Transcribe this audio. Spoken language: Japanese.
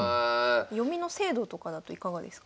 読みの精度とかだといかがですか？